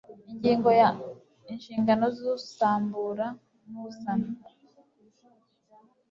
ingingo ya inshingano z usambura n usana